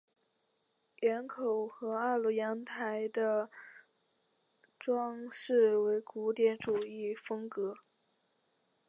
檐口和二楼阳台的装饰为古典主义风格。